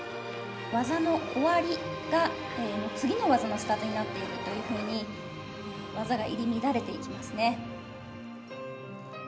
技の終わりが次の技のスタートになっているように技が入り乱れています。